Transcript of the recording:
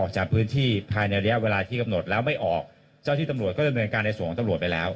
จากพื้นที่ภายในระยะเวลาที่กำหนดแล้วไม่ออกเจ้าที่ตำรวจก็ดำเนินการในส่วนของตำรวจไปแล้ว